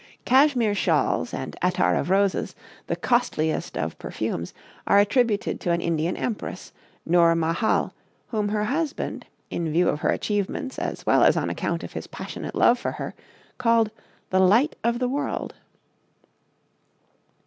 Cashmere shawls and attar of roses, the costliest of perfumes, are attributed to an Indian empress, Nur Mahal, whom her husband, in view of her achievements, as well as on account of his passionate love for her, called "The Light of the World."